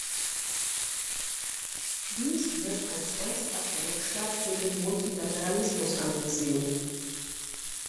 Dies wird als ernsthafter Rückschlag für den Multilateralismus angesehen.